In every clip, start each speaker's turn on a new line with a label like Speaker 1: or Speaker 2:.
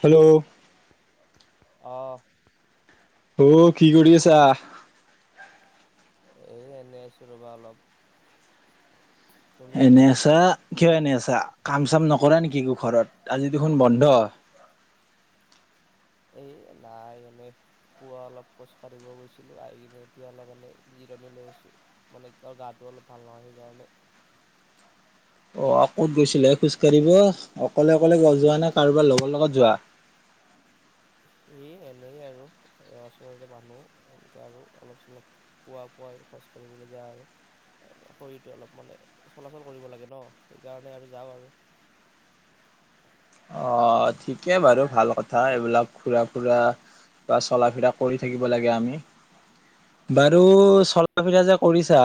Speaker 1: Hello?
Speaker 2: অ'!
Speaker 1: অ' কি কৰি আছা?
Speaker 2: এ, এনেই আছোঁ ৰ'বা অলপ। তুমি?
Speaker 1: এনে আছা? কিয় এনে আছা? কাম চাম নকৰা নেকি একো ঘৰত? আজি দেখোন বন্ধ।
Speaker 2: এ, নাই, এনেই পুৱা অলপ খোজ কাঢ়িব গৈছিলোঁ। আহি কিনে এতিয়া অলপ এনে জিৰণি লৈ আছোঁ। মানে, গাটো অলপ ভাল নহয়, সেইকাৰণে
Speaker 1: অ'! ক'ত গৈছিলে খোজ কাঢ়িব? অকলে অকলে গ যোৱা নে কাৰোবাৰ লগৰ লগত যোৱা?
Speaker 2: এ, এনেই আৰু, ওচৰতে মানুহ এনেকে আৰু অলপ চলপ পুৱা পুৱাই খোজ কঢ়িবলৈ যায়, আৰু শৰীৰটো অলপ মানে, চলাচল কৰিব লাগে ন', সেইকাৰণে আৰু যাওঁ আৰু।
Speaker 1: অ'! ঠিকে বাৰু ভাল কথা! এইবিলাক ঘুৰা ফুৰা বা চলা ফিৰা কৰি থাকিব লাগে আমি। বাৰু চলা ফিৰা যে কৰিছা,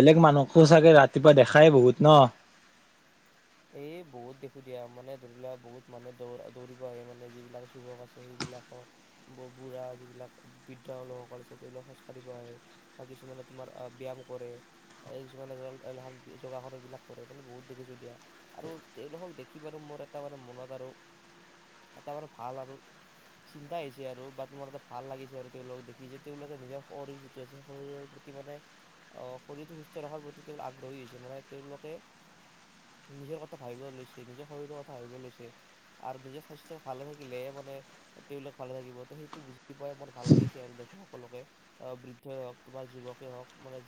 Speaker 1: বেলেগ মানুহো চাগে ৰাতিপুৱা দেখাই বহুত ন'?
Speaker 2: এই বহুত দেখোঁ দিয়া। মানে, ধৰি লোৱা বহুত মানুহে দৌ দৌৰিব আহে মানে, যিবিলাক যুৱক আছে সেইবিলাকক, বুঢ়া যিবিলাক বৃদ্ধ লোকসকল আছে, তেওঁলোকক খোজ কাঢ়িব আহে, বা কিছুমানে তোমাৰ ব্যায়াম কৰে, কিছুমানে ধ যোগাসন এইবিলাক কৰে, মানে বহুত দেখিছোঁ দিয়া। আৰু তেওঁলোকক দেখি বাৰু মোৰ এটা মানে মনত আৰু এটা মানে, ভাল আৰু চিন্তা আহিছে আৰু বাট মোৰ এটা ভাল লাগিছে আৰু তেওঁলোকক দেখি যে তেওঁলোকে নিজৰ শৰীৰ যিটো আছে শৰীৰৰ প্ৰতি মানে শৰীৰটো সুস্থ ৰখাৰ প্ৰতি তেওঁলোক আগ্ৰহী হৈছে। মানে, তেওঁলোকে নিজৰ কথা ভাবিব লৈছে, নিজৰ শৰীৰৰ কথা ভাবিব লৈছে, আৰু নিজৰ স্বাস্থ্য ভালে থাকিলে মানে তেওঁলোক ভালে থাকিব, ত' সেইটো বুজি পোৱাই মোৰ ভাল লাগিছে আৰু দেখি সকলোকে, বৃদ্ধই হওক, তোমাৰ যুৱকেই হওক, মানে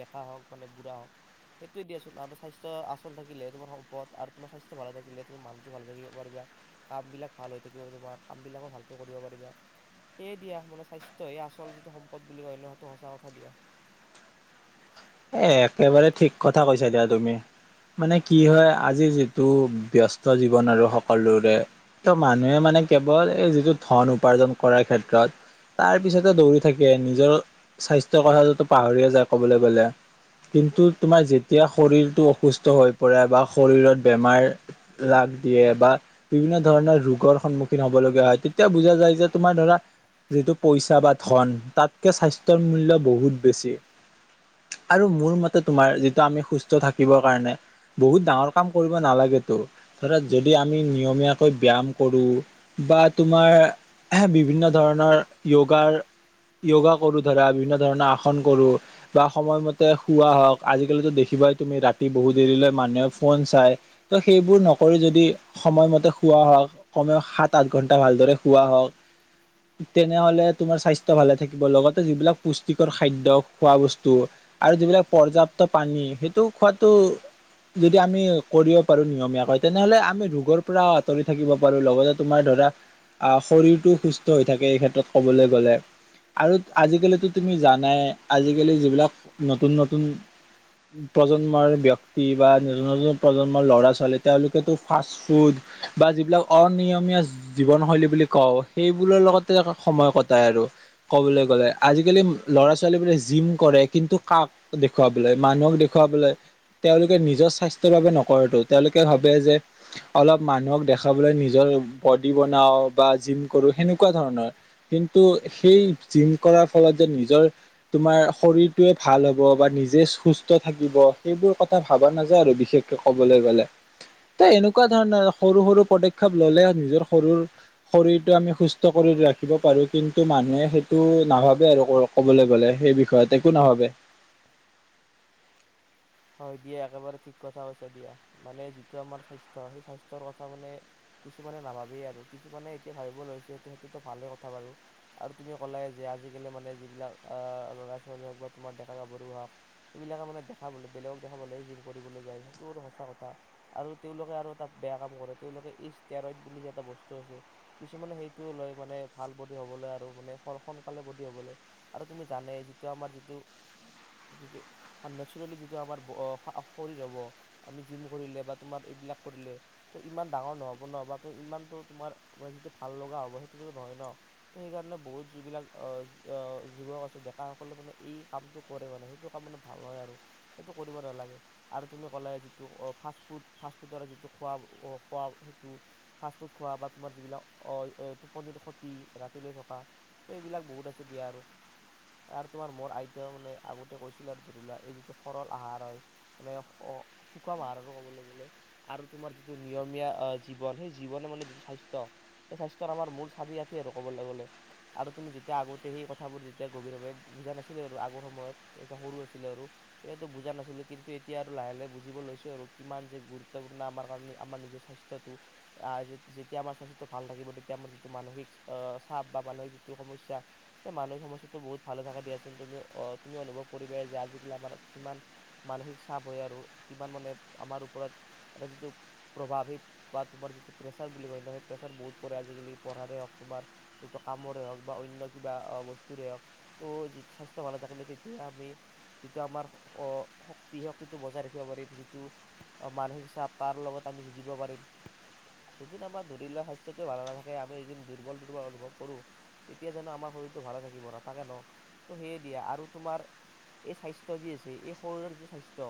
Speaker 2: ডেকা হওক, মানে বুঢ়া হওক, সেইটোৱে দিয়াচোন আৰু স্বাস্থ্য আচ [unintelligible] থাকিলে তোমাৰ সম্পদ আৰু তোমাৰ স্বাস্থ্য ভালে থাকিলে, তোমাৰ মানুহটো ভালে থাকিব পাৰিবা। কাম বিলাক ভাল হৈ থাকিব তোমাৰ, কাম বিলাকো ভালকে কৰিব পাৰিবা। সেয়ে দিয়া মানে, স্বাস্থ্য এই আচল যিটো সম্পদ বুলি কৈ ন'। সেইটো সঁচা কথা দিয়া।
Speaker 1: এ, একেবাৰে ঠিক কথা কৈছা দিয়া তুমি, মানে কি হয়, আজি যিটো ব্যস্ত জীৱন আৰু সকলোৰে, ত মানুহে মানে কেৱল এই যিটো ধন উপাৰ্জন কৰাৰ ক্ষেত্ৰত, তাৰ পিছতে দৌৰি থাকে, নিজৰ স্বাস্থ্যৰ কথাটো পাহৰিয়ে যায় কবলৈ গ'লে। কিন্তু, তোমাৰ যেতিয়া শৰীৰটো অসুস্থ হৈ পৰে বা শৰীৰত বেমাৰ ৰাগ দিয়ে বা বিভিন্ন ধৰণৰ ৰোগৰ সন্মুখীন হব লগীয়া হয়, তেতিয়া বুজা যায় যে তোমাৰ ধৰা, যিটো পইচা বা ধন, তাতকে স্বাস্থ্যৰ মূল্য বহুত বেছি। আৰু মোৰ মতে তোমাৰ, যিটো আমি সুস্থ থাকিবৰ কাৰণে, বহুত ডাঙৰ কাম কৰিব নালাগেতো। ধৰা যদি আমি নিয়মীয়াকৈ ব্যায়াম কৰোঁ বা তোমাৰ বিভিন্ন ধৰণৰ যোগাৰ যোগা কৰোঁ, ধৰা বিভিন্ন ধৰণৰ আসন কৰো বা সময়মতে শোৱা হওঁক, আজিকালিতো দেখিবাই তুমি ৰাতি বহুত দেৰিলৈ মানুহে ফোন চায়, ত' সেইবোৰ নকৰি যদি সময়মতে শোৱা হওক, কমেও সাত আঠ ঘণ্টা ভালদৰে শুৱা হওক, তেনেহ'লে তোমাৰ স্বাস্থ্য ভালে থাকিব, লগতে যিবিলাক পুষ্টিকৰ খাদ্য খোৱা বস্তু উম আৰু যিবিলাক পৰ্যাপ্ত পানী, সেইটো খোৱাটো যদি আমি কৰিব পাৰোঁ নিয়মীয়াকৈ, তেনেহ'লে আমি ৰোগৰ পৰা আঁতৰি থাকিব পাৰোঁ, লগতে তোমাৰ ধৰা শৰীৰটো সুস্থ হৈ থাকে এই ক্ষেত্ৰত কবলৈ গ'লে, আৰু আজিকালিটো তুমি জানাই আজিকালি যি যিবিলাক নতুন, নতুন প্ৰজন্মৰ ব্যক্তি বা নতুন নতুন প্ৰজন্মৰ ল'ৰা ছোৱালী, তেওঁলোকেতো ফাষ্ট ফুড বা যিবিলাক অনিয়মীয়া জীৱনশৈলী বুলি কওঁ, সেইবোৰৰ লগতে সময় কটাই আৰু ক'বলৈ গ'লে, আজিকালি ল'ৰা ছোৱালীবোৰে জিম কৰে। কিন্তু, কাক দেখুৱাবলৈ, মানুহক দেখুৱাবলৈ, তেওঁলোকে নিজৰ স্বাস্থ্যৰ বাবে নকৰেটো, তেওঁলোকে ভাবে যে, অলপ মানুহক দেখাবলৈ নিজৰ বডি বনাওঁ বা জিম কৰোঁ, সেনেকুৱা ধৰণৰ, কিন্তু সেই জিম কৰাৰ ফলত যে নিজৰ তোমাৰ শৰীৰ টোৱে ভাল হ'ব বা নিজে সুস্থ থাকিব, সেইবোৰ কথা ভাবা নাযায় আৰু বিশেষকে কবলৈ গ'লে, ত' এনেকুৱা ধৰণৰ সৰু সৰু পদক্ষেপ ল'লে নিজৰ সৰুৰ শৰীৰটো আমি সুস্থ কৰি ৰাখিব পাৰোঁ। কিন্তু, মানুহে সেইটো নাভাবে আৰু ক'বলৈ গ'লে সেই বিষয়তে একো নাভাবে।
Speaker 2: হয় দিয়া। একেবাৰে ঠিক কথা কৈছা দিয়া। মানে, যিটো আমাৰ স্বাস্থ্য, সেই স্বাস্থ্যৰ কথা মানে কিছুমানে নাভাবেই আৰু, কিছুমানে এতিয়া ভাবিব লৈছেটো সেইটোতো ভালে কথা বাৰু, আৰু তুমি ক'লাই যে আজিকালি মানে যিবিলাক আ ল'ৰা ছোৱালী হওক বা তোমাৰ ডেকা গাভৰু হওক, সেইবিলাকে মানে দেখাবলৈ বেলেগক দেখাবলৈ জিম কৰিবলৈ যায়। সেইটো সঁচা কথা আৰু তেওঁলোকে আৰু এটা বেয়া কাম কৰে। তেওঁলোকে ইষ্টেৰইড বুলি যে, এটা বস্তু আছে, কিছুমানে সেইটো লৈ মানে ভাল বডি হ'বলৈ আৰু মানে, খুব সোনকালে বডি হ'বলৈ, আৰু তুমি জানে যিটো আমাৰ যিটো যিটো নেচাৰেলি যি টো আমাৰ সা শৰীৰ হ'ব, আমি জিম কৰিলে বা তোমাৰ এইবিলাক কৰিলে, ত' ইমান ডাঙৰ নহ'ব ন' বা ত' ইমানতটো তোমাৰ যিটো ভাল লগা হ'ব সেইটোতো নহয় ন'। ত' সেইকাৰণে, বহুত যিবিলাক যুৱক আছে ডেকাসকলে মানে, এই কামটো কৰে মানে, সেইটো কাম মানে ভাল নহয় আৰু। সেইটো কৰিব নালাগে, আৰু তুমি ক'লাই যিটো অ'! ফাষ্টফুড, ফাষ্টফুডৰ যিটো খোৱা, খোৱা সেইটো ফাষ্টফুড খোৱা বা তোমাৰ যিবিলাক টোপনিত খতি ৰাতিলৈ থকা তো এইবিলাক বহুত আছে দিয়া আৰু, আৰু তোমাৰ মোৰ আইতাও মানে আগতে কৈছিল আৰু ধৰি লোৱা এই যিটো সৰল আহাৰ হয়। মানে, সুষম আহাৰ আৰু ক'বলৈ গলে, আৰু তোমাৰ যিটো নিয়মীয়া আ' জীৱন সেই জীৱনে মানে যিটো স্বাস্থ্য সেই স্বাস্থ্য আমাৰ মূল চাবি আৰু ক'বলৈ গ'লে, আৰু তুমি যেতিয়া আগতে সেই কথাবোৰ যেতিয়া গভীৰভাৱে বুজা নাছিলে আৰু আগৰ সময়ত, এ, সৰু আছিলে আৰু। সেইটো বুজা নাছিলোঁ। কিন্তু, এতিয়া আৰু লাহে লাহে বুজিব লৈছোঁ আৰু, কিমান যে গুৰুত্বপূৰ্ণ আমাৰ কাৰণে আমাৰ নিজ স্বাস্থ্যটো, যেতিয়া আমাৰ স্বাস্থ্যটো ভাল থাকিব তেতিয়া আমাৰ যিটো মানসিক চাপ বা মানসিক যিটো সমস্যা সেই মানসিক সমস্যাটো বহুত ভালে থাকে দিয়াচোন, তুমি তুমি অনুভৱ কৰিবা যে আজিকালি আমাৰ কিমান মানসিক চাপ হয় আৰু, কিমান মা, নে আমাৰ ওপৰত এটা যিটো প্ৰভাৱ সেই বা তোমাৰ যিটো প্ৰেছাৰ বুলি কয় ন, সেই প্ৰেছাৰ বহুত পৰে আজিকালি, পঢ়াৰে হওক তোমাৰ যিটো কামৰে হওক বা অন্য কিবা বস্তুৰে হওক, ত' যি স্বাস্থ্য ভালে থাকিলে তেতিয়া আমি যিটো আমাৰ অ'! শক্তি শক্তিটো বজাই ৰাখিব পাৰিম। যিটো মানসিক চাপ তাৰ লগত আমি যুঁজিব পাৰিম, যদি আমাৰ ধৰি লোৱা স্বাস্থ্যটোে ভালে নাথাকে, আমি এদিন দুৰ্বল দুৰ্বল অনুভৱ কৰোঁ, তেতিয়া জানো, আমাৰ শৰীৰটো ভালে থাকিব, নাথাকে ন'। ত' সেয়ে দিয়া আৰু তোমাৰ এই স্বাস্থ্য যি যে এই শৰীৰৰ যিটো স্বাস্থ্য,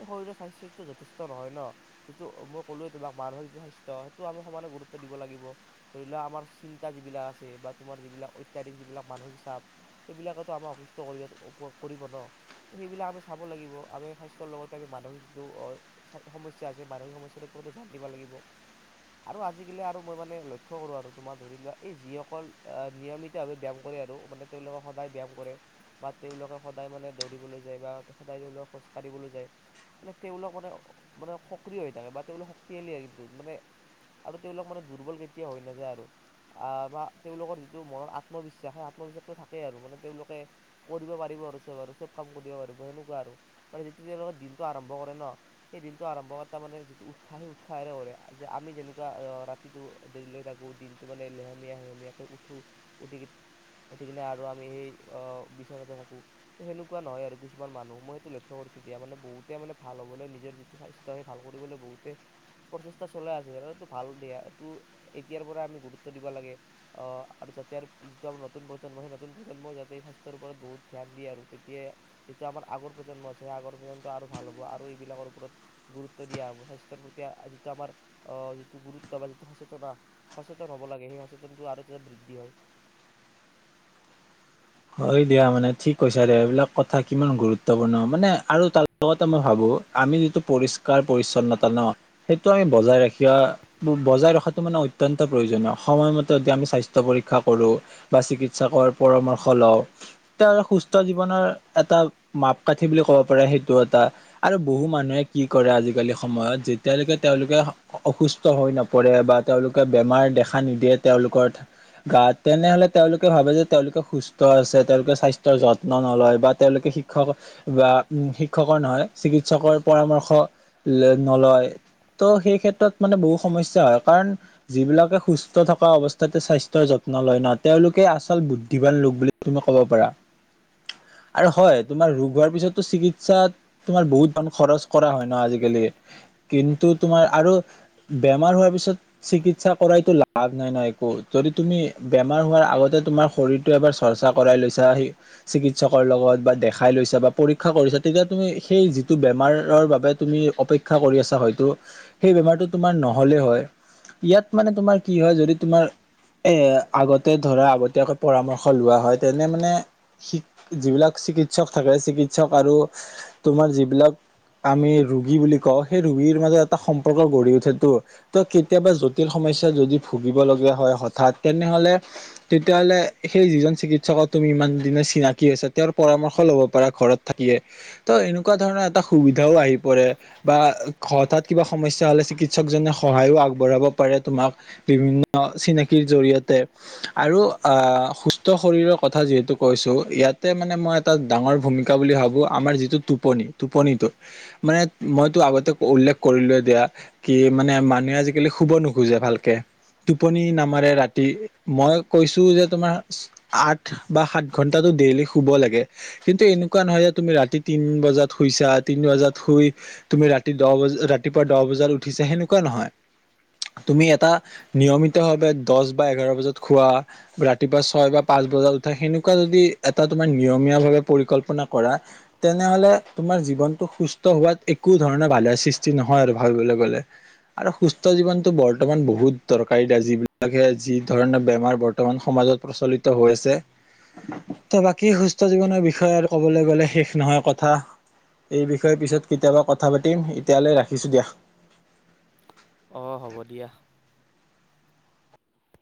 Speaker 2: এই শৰীৰৰ স্বাস্থ্যটো যথেষ্ট নহয় ন', যিটো মই ক'লোৱৱেই তোমাক মানসিক যিটো স্বাস্থ্য সেইটো আমি সমানে গুৰুত্ব দিব লাগিব, ধৰি লোৱা আমাৰ চিন্তা যিবিলাক আছে বা তোমাৰ যিবিলাক অত্যাধিক যিবিলাক মানসিক চাপ, সেইবিলাকতো আমাৰ অসুস্থ কৰিব ক কৰিব ন'? সেইবিলাক আমি চাব লাগিব, আমি স্বাস্থ্যৰ লগতে আমি মানসিক যিটো সমস্যা আছে, মানসিক সমস্যা ওপৰত ধ্যান দিব লাগিব আৰু আজিকালি আৰু মই মানে লক্ষ্য কৰোঁ আৰু তোমাৰ ধৰি লোৱা এই যিসকল নিয়মিতভাৱে ব্যায়াম কৰে আৰু মানে, তেওঁলোকে সদায় ব্যায়াম কৰে বা তেওঁলোকে সদায় মানে দৌৰিবলৈ [unintelligible] খোজকাঢ়িবলৈ যায়, তেওঁলোক মানে মানে সক্ৰিয় হৈ থাকে, বা তেওঁলোক শক্তিালী মানে আৰু তেওঁলোক মানে দুৰ্বল কেতিয়া হৈ নাযায় আৰু, আ' বা তেওঁলোকৰ যিটো মনৰ আত্মবিশ্বাস, সেই আত্মবিশ্বাস থাকে আৰু, মানে তেওঁলোকে কৰিব পাৰিব আৰু, চব কাম কৰিব পাৰিব সেনেকুৱা আৰু। মানে যিটো, তেওঁলোকে দিনটো আৰম্ভ কৰে ন', সেই দিনটো আৰম্ভ কৰা তাৰ মানে, যিটো উৎসাহ সেই উৎসাহেৰে কৰে, যে আমি যেনেকুৱা ৰাতিটো দেৰিলৈ থাকোঁ, দিনটো মানে লেহেমীয়া সেহেমীয়াকৈ উঠো, উঠি উঠি কিনে আৰু আমি সেই বিচনতে থাকোঁ, সে কোৱা নহয় আৰু কিছুমান মানুহ, মই সেইটো লক্ষ্য কৰিছোঁ দিয়া। মানে বহুতে মানে, ভাল হ'বলৈ নিজৰ যিটো স্বাস্থ্য সেই ভাল কৰিবলৈ বহুতে প্ৰচেষ্টা চলাই আছে আৰু এইটো ভাল দিয়া, এইটো এতিয়াৰ পৰা আমি গুৰুত্ব দিব লাগে। অ'! আৰু যাতে আৰু যিটো আমাৰ নতুন প্ৰজন্ম সেই নতুন প্ৰজন্ম যাতে স্বাস্থ্যৰ ওপৰত বহুত ধ্যান দিয়ে আৰু। তেতিয়া যিটো আমাৰ আগৰ প্ৰজন্ম আছে, সেই আগৰ প্ৰজন্ম আৰু ভাল হ'ব আৰু এইবিলাকৰ ওপৰত গুৰুত্ব দিয়া হ'ব। স্বাস্থ্যৰ প্ৰতি যিটো আমাৰ অ'! যিটো গুৰুত্ব বা যিটো সচেতন সচেতন হব লাগে, সেই সচেতনতটো আৰু যাতে বৃদ্ধি হয়।
Speaker 1: হয় দিয়া। মানে, ঠিক কৈছা ৰে, এইবিলাক কথা কিমান গুৰুত্বপূৰ্ণ, মানে আৰু তাৰ লগতে মই ভাবো, আমি যিটো পৰিষ্কাৰ পৰিছন্নতা ন, সেইটো আমি বজাই ৰাখা বজাই ৰখাটো মানে অত্যন্ত প্ৰয়োজনীয়। সময়মতে যদি আমি স্বাস্থ্য পৰীক্ষা কৰোঁ বা চিকিৎসকৰ পৰামৰ হলেও তেওঁৰ সুস্থ জীৱনৰ এটা মাপকাঠি বুলি ক'ব পাৰে সেইটো এটা আৰু বহু মানুহে কি কৰে আজিকালি সময়ত যেতিয়ালৈকে তেওঁলোকে অসুস্থ হৈ নপৰে বা তেওঁলোকে বেমাৰ দেখা নিদিয়ে। তেওঁলোকৰ গাত তেনেহলে তেওঁলোকে ভাবে যে তেওঁলোকে সুস্থ। ত আছে তেওঁলোকে স্বাস্থ্যৰ যত্ন নলয় বা তেওঁলোকে শিক্ষক বা উ শিক্ষকৰ নহয় চিকিৎসকৰ পৰামৰ্শ নলয়, ত' সেই ক্ষেত্ৰত মানে বহুত সমস্যা হয়। কাৰণ যিবিলাকে সুস্থ থকা অৱস্থাতে স্বাস্থ্যৰ যত্ন লয় ন তেওঁলোকে আচল বুদ্ধিবান লোক বুলি। তুমি কব পাৰা আৰু হয় তোমাৰ ৰোগ হোৱাৰ পিছতো চিকিৎসাত তোমাৰ বহুত ধন খৰচ কৰা হয় ন' আজিকালি কিন্তু তোমাৰ আৰু বেমাৰ হোৱাৰ পিছত চিকিৎসা কৰাইতো লাভ নাই না একো যদি তুমি বেমাৰ হোৱাৰ আগতে তোমাৰ শৰীৰটো এবাৰ চৰ্চা কৰাই লৈছা সেই চিকিৎসকৰ লগত বা দেখাই লৈছা বা পৰীক্ষা কৰিছা তেতিয়া তুমি সেই যিটো বেমাৰৰ বাবে তুমি অপেক্ষা কৰি আছা হয়তো সেই বেমাৰটো তোমাৰ নহ'লে হয় ইয়াত মানে তোমাৰ কি হয় যদি তোমাৰ এ আগতে ধৰা আগতীয়াকৈ পৰামৰ্শ [inaudible] [inaudible] লোৱা হয় তেনে মানে যিবিলাক চিকিৎসক থাকে চিকিৎসক আৰু তোমাৰ যিবিলাক আমি ৰোগী বুলি কওঁ সেই ৰোগীৰ মাজত এটা সম্পৰ্ক গঢ়ি উঠেতো ত কেতিয়াবা জটিল সমস্যা যদি ভুগিব লগগীয়া হয় হঠাৎ তেনেহলে তেতিয়াহ'লে সেই যিজন চিকিৎসকক তুমি ইমান দিনে চিনাকি হৈছে তেওঁৰ পৰামৰ্শ ল'ব পাৰা ঘৰত থাকিয়ে ত এনেকুৱা ধৰণৰ এটা সুবিধাও আহি পৰে বা হঠাৎ কিবা সমস্যা হলে চিকিৎসকজনে সহায়ো আগবঢ়াব পাৰে তোমাক বিভিন্ন চিনাকিৰ জৰিয়তে আৰু আহ সুস্থ শৰীৰৰ কথা যিহেতু কৈছো ইয়াতে মানে মই এটা ডাঙৰ ভূমিকা বুলি ভাবো আমাৰ যিটো টোপনি টোপনিটো মানে মইতো আগতে উল্লেখ কৰিলো দিয়া কি মানে মানুহে আজিকালি শুব নোখোজে ভালকে টোপনি নামাৰে ৰাতি মই কৈছো যে তোমাৰ আঠ বা সাত ঘন্টাটো ডেইলি শুব লাগে কিন্তু এনেকুৱা নহয় যে তুমি ৰাতি তিন বজাত শুইছা, তিন বজাত শুই তুমি ৰাতি দহ বজা, ৰাতিপুৱা দহ বজাত উঠিছা সেনেকুৱা নহয়, তুমি এটা নিয়মিত ভাৱে দহ বা এঘাৰ বজাত শোৱা ৰাতিপুৱা ছয় বা পাঁচ বজাত উঠে সেনেকুৱা যদি এটা তোমাৰ নিয়মীয়া ভাৱে পৰিকল্পনা কৰা তেনেহলে তোমাৰ জীৱনটো সুস্থ হোৱাত একো ধৰণৰ বাধা সৃষ্টি নহয় আৰু ভাবিবলৈ গ'লে আৰু সুস্থ জীৱনটো বৰ্তমান বহুত দৰকাৰী দিয়া যিবিলাকে যি ধৰণৰ বেমাৰ বৰ্তমান সমাজত প্ৰচলিত হৈ আছে ত' বাকী সুস্থ জীৱনৰ বিষয়ে আৰু কবলৈ গলে শেষ নহয় কথা এই বিষয়ে পিছত কেতিয়াবা কথা পাতিম এতিয়ালৈ ৰাখিছো দিয়া
Speaker 2: অ' হ'ব দিয়া।